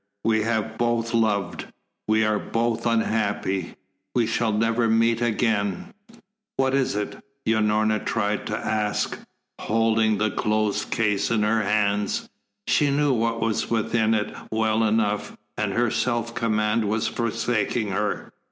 We have both loved, we are both unhappy we shall never meet again." "What is it?" Unorna tried to ask, holding the closed case in her hands. She knew what was within it well enough, and her self command was forsaking her.